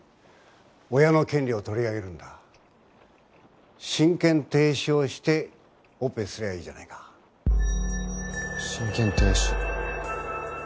親の権利を取り上げるんだ親権停止をしてオペすりゃいいじゃないか親権停止？